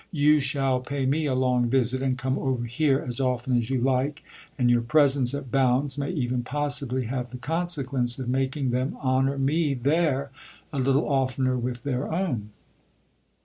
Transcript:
You shall pay me a long visit and come over here as often as you like, and your presence at Bounds may even possibly have the consequence of making them honour me there a little oftener with their own."